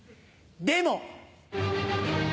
でも！